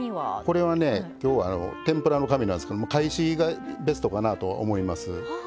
これは、今日は天ぷらの紙なんですけど懐紙がベストかなと思います。